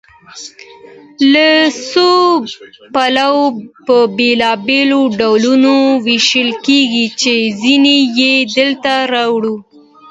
له څو پلوه په بېلابېلو ډولونو ویشل کیږي چې ځینې یې دلته راوړو.